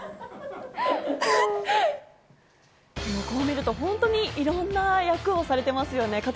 こう見ると、本当にいろんな役をされてますよね。